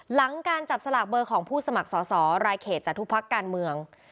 หลังการจับสลากเบอร์ของผู้สมัครสอสอรายเขตจากทุกพักการเมือง